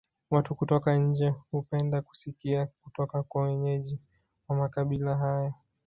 Watu kutoka nje hupenda kusikia kutoka kwa wenyeji wa makabila hayo